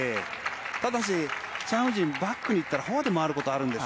ただし、チャン・ウジンはバックに行ったらフォアでもあることがあるんです。